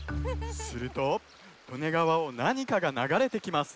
すると利根川をなにかがながれてきます。